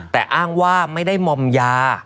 แต่อ้างว่าไม่ได้มอมยา